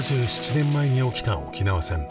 ７７年前に起きた沖縄戦。